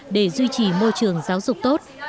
để duy trì môi trường giáo dục tốt